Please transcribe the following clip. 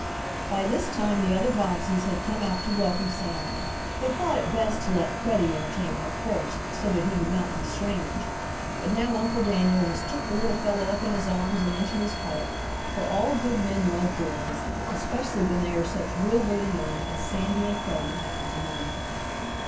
By this time the other Bobbseys had come out to welcome Sandy. They thought it best to let Freddie entertain him at first, so that he would not be strange, but now Uncle Daniel just took the little fellow up in his arms and into his heart, for all good men love boys, especially when they are such real little men as Sandy and Freddie happened to be.